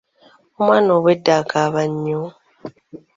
Omwana obwedda akaaba nnyo.